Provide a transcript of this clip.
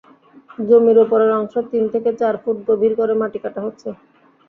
জমির ওপরের অংশ তিন থেকে চার ফুট গভীর করে মাটি কাটা হচ্ছে।